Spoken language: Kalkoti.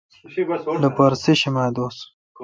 لوپارہ سیشمہ دوس